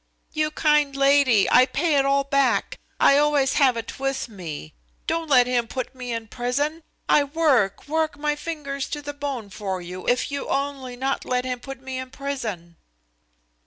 "You kind lady. I pay it all back. I always have it with me. Don't let him put me in prison. I work, work my fingers to the bone for you. If you only not let him put me in prison."